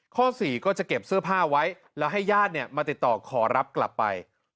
๔ก็จะเก็บเสื้อผ้าไว้แล้วให้ญาติมาติดต่อขอรับกลับไป